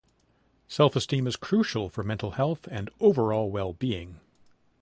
Self-esteem is crucial for mental health and overall well-being.